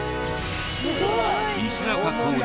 石坂浩二